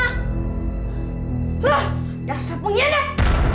hah dasar penghianat